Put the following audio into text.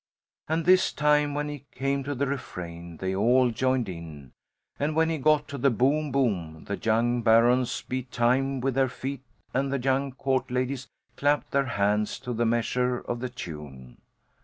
And this time, when he came to the refrain, they all joined in, and when he got to the "boom, boom" the young barons beat time with their feet and the young Court ladies clapped their hands to the measure of the tune.